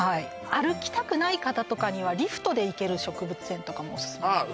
歩きたくない方とかにはリフトで行ける植物園とかもオススメですけどあ